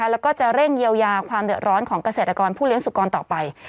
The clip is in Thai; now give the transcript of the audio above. แล้วก็จะเร่งเยียวยาความเดือดร้อนของเกษตรกรผู้เลี้ยสุกรต่อไป